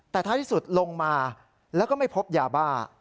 แต่ท้ายที่สุดลงมาแล้วก็ไม่พบยาบ้า